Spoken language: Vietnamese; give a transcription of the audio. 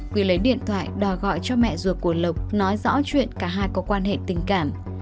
quy lấy điện thoại đòi gọi cho mẹ ruột của lộc nói rõ chuyện cả hai có quan hệ tình cảm